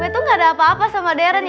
gue tuh gak ada apa apa sama darren